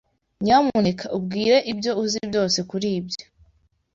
Nyamuneka umbwire ibyo uzi byose kuri ibyo.